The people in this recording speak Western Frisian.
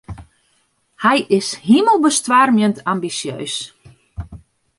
Hy is himelbestoarmjend ambisjeus.